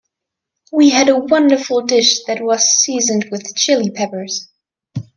We had a wonderful dish that was seasoned with Chili Peppers.